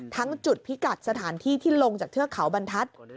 ทั้งจุดพิกัดสถานที่ที่ลงจากเทือกเขาบรรทัศน์